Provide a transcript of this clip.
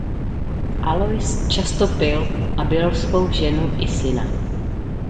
Alois často pil a bil svou ženu i syna.